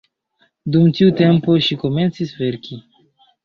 Dum tiu tempo ŝi komencis verki.